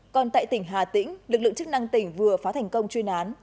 còn tại tỉnh hà tĩnh lực lượng chức năng tỉnh vừa phá thành công chuyên án